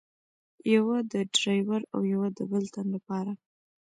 یوه د ډریور او یوه د بل تن له پاره.